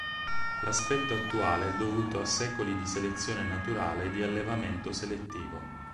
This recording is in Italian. L'aspetto attuale è dovuto a secoli di selezione naturale e di allevamento selettivo.